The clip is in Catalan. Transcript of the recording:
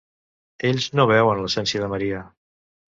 Ells no veuen l'essència de Maria.